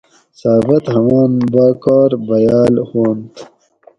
ثابت ہمان باکار بھیاۤل ہُوانت